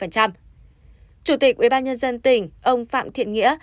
chủ tịch ubnd tỉnh ông phạm thiện nghĩa